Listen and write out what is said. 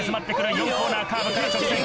４コーナーカーブから直線。